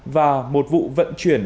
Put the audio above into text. và một vụ vận chuyển